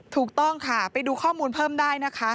ถูกต้องค่ะไปดูข้อมูลเพิ่มได้นะคะ